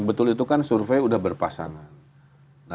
betul itu kan survei sudah berpasangan